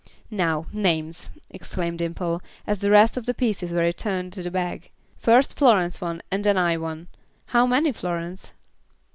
"Now, names," exclaimed Dimple, as the rest of the pieces were returned to the bag. "First Florence one and then I one. How many, Florence?"